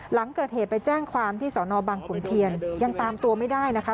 หลังเกิดเหตุไปแจ้งความที่สอนอบังขุนเทียนยังตามตัวไม่ได้นะคะ